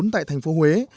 tại thành phố huế